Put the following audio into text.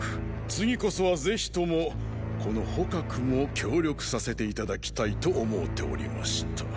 次こそはぜひともこの蒲も協力させて頂きたいと思うておりました。